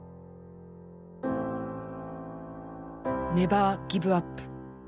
「ネバーギブアップ」